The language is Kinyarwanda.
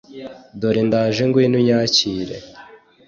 dore ndaje ngwino unyakire